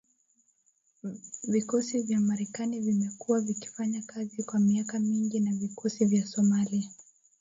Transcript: Vikosi vya Marekani vimekuwa vikifanya kazi kwa miaka mingi na vikosi vya Somalia